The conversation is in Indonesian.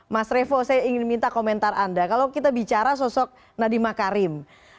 mas revo saya ingin minta komentar anda kalau kita bicara sosok nadiem makarim